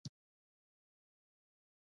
قلم د ماشوم لاس ته ځواک ورکوي